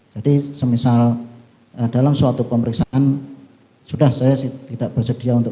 jadi kalau saya tidak bersedia untuk